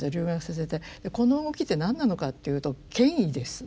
この動きって何なのかっていうと「権威」です。